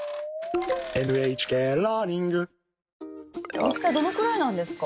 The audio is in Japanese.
大きさどのくらいなんですか？